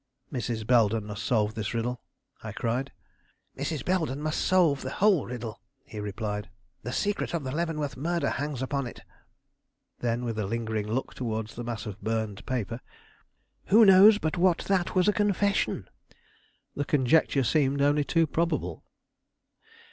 "Mrs. Belden must solve this riddle," I cried. "Mrs. Belden must solve the whole riddle," he replied; "the secret of the Leavenworth murder hangs upon it." Then, with a lingering look towards the mass of burned paper, "Who knows but what that was a confession?" The conjecture seemed only too probable.